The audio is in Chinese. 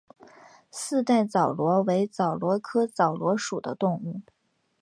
四带枣螺为枣螺科枣螺属的动物。